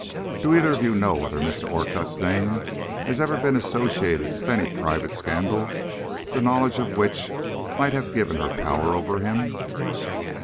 Do either of you know whether Mr. Orcutt's name has ever been associated with any private scandal, the knowledge of which might have given her power over him?"